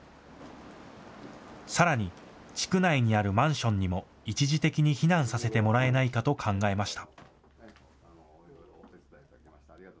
さらに地区内にあるマンションにも一時的に避難させてもらえないかと考えました。